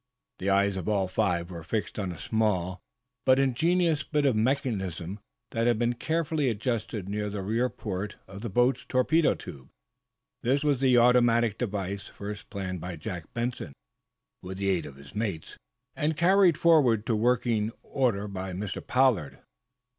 The eyes of all five were fixed on a small but ingenious bit of mechanism that had been carefully adjusted near the rear port of the boat's torpedo tube. This was the automatic device, first planned by Jack Benson, with the aid of his mates, and carried forward to working order by Mr. Pollard.